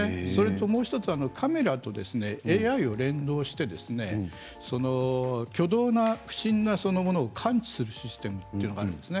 もう１つカメラとＡＩを連動して挙動不審なものを感知するシステムというのがあるんですね。